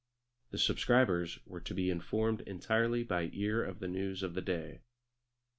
The subscribers were to be informed entirely by ear of the news of the day.